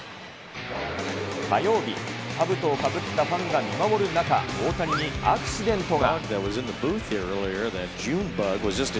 火曜日、かぶとをかぶったファンが見守る中、大谷にアクシデントが。